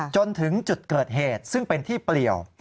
จนถึงจุดเกิดเหตุซึ่งเป็นที่เปลี่ยว